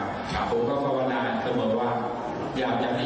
ผมก็ฝนาคือเหมือนว่าอยากจะให้ทุกคนชมรวมด้วยดี